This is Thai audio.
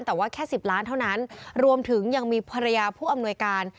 แต่ว่าแค่๑๐ล้านเท่านั้นรวมถึงยังมีภรรยาผู้อำนวยการ